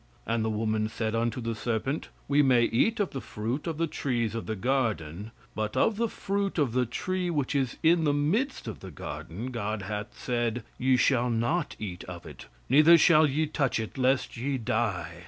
And the woman said unto the serpent. We may eat of the fruit of the trees of the garden; but of the fruit of the tree which is in the midst of the garden God hath said, Ye shall not eat of it, neither shall ye touch it, lest ye die.